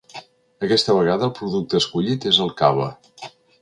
Aquesta vegada el producte escollit és el cava.